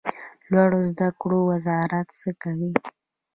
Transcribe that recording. لوړو زده کړو وزارت څه کوي؟